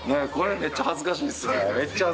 めっちゃ恥ずかしいですね。